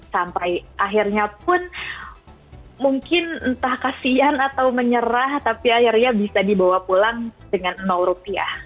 sampai akhirnya pun mungkin entah kasihan atau menyerah tapi akhirnya bisa dibawa pulang dengan rupiah